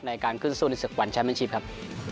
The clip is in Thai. ในการขึ้นสู้ในศักดิ์วันแชมป์มันชีพครับ